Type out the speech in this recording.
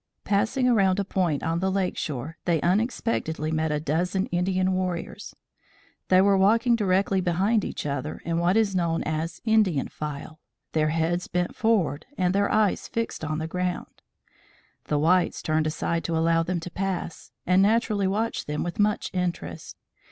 Passing around a point on the lake shore, they unexpectedly met a dozen Indian warriors. They were walking directly behind each other in what is known as Indian file, their heads bent forward and their eyes fixed on the ground. The whites turned aside to allow them to pass and naturally watched them with much interest.